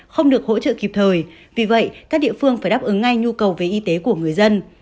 không được hỗ trợ kịp thời vì vậy các địa phương phải đáp ứng ngay nhu cầu về y tế của người dân